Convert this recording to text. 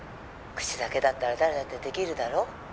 「口だけだったら誰だってできるだろ」